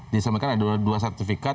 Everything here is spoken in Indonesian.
disampaikan ada dua sertifikat